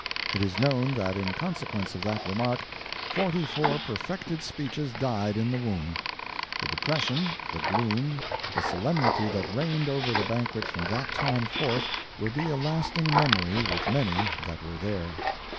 It is known that in consequence of that remark forty four perfected speeches died in the womb. The depression, the gloom, the solemnity that reigned over the banquet from that time forth will be a lasting memory with many that were there.